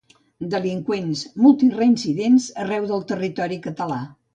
Delinqüents multireincidents arreu del territori català.